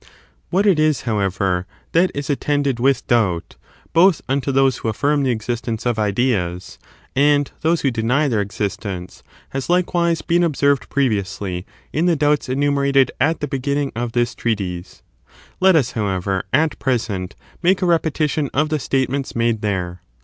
What it is, however, that is attended with doubt, both unto those who affirm the existence of statements of ideas, and those who deny their existence, has, JS^^g?"*^ ®^ likewise, been observed previously,* in the doubts enumerated at the beginning of this Treatise; let us, however, at present, make a repetition of the statements made there.